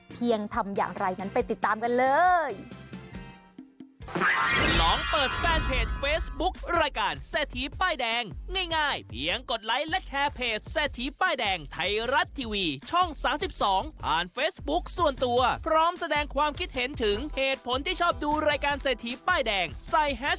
เพียงทำอย่างไรไปติดตามกันเลย